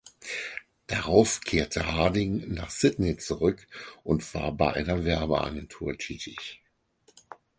Darauf kehrte Harding nach Sydney zurück und war bei einer Werbeagentur tätig.